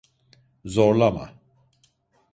Zorlama…